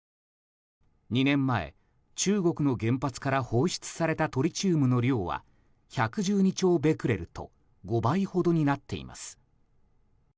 ２年前、中国の原発から放出されたトリチウムの量は１１２兆ベクレルと５倍ほどになっています。